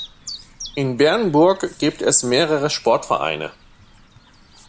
In Bernburg gibt es mehrere Sportvereine.